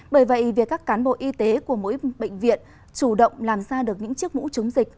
bởi vậy việc các cán bộ y tế của mỗi bệnh viện chủ động làm ra được những chiếc mũ chống dịch